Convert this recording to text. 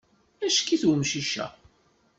Acki-t umcic-a.